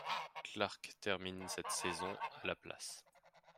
Clarck termine cette saison à la place.